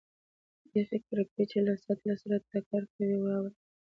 د یخې کړپی چې له سطل سره ټکر کوي، واورم.